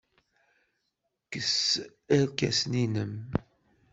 Kkes irkasen-nnem.